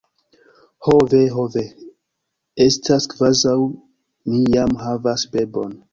Ho ve, ho ve! Estas kvazaŭ mi jam havas bebon.